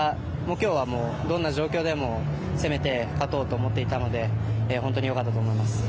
今日はどんな状況でも攻めて勝とうと思っていたので本当に良かったと思います。